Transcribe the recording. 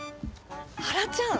はらちゃん